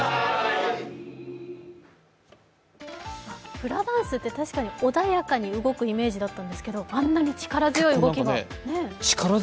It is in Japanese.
フラダンスって、確かに穏やかに動くイメージだったんですけど、あんなに力強い動きが。